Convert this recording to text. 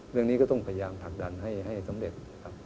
เรื่องนี้ก็ต้องพยายามผลักดันให้สำเร็จครับ